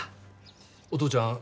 お父ちゃん